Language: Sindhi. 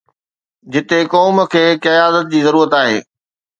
جتي قوم کي قيادت جي ضرورت آهي.